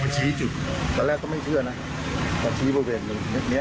จนเราไปเจอไปตามหาตัวพ่อเด็กเกิน